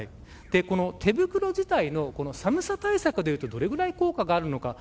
手袋自体も寒さ対策でいうとどれくらい効果があるのか。